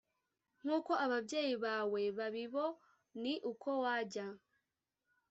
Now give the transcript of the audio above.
nk uko ababyeyi bawe babibo ni uko wajya